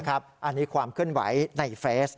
อันนี้ความเคลื่อนไหวในเฟซ